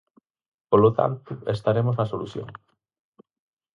Polo tanto, estaremos na solución.